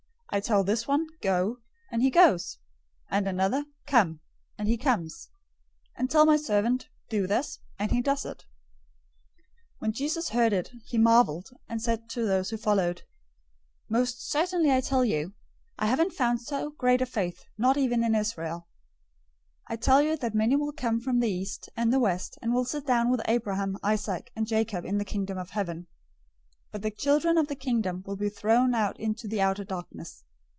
I tell this one, 'Go,' and he goes; and tell another, 'Come,' and he comes; and tell my servant, 'Do this,' and he does it." 008:010 When Jesus heard it, he marveled, and said to those who followed, "Most certainly I tell you, I haven't found so great a faith, not even in Israel. 008:011 I tell you that many will come from the east and the west, and will sit down with Abraham, Isaac, and Jacob in the Kingdom of Heaven, 008:012 but the children of the Kingdom will be thrown out into the outer darkness.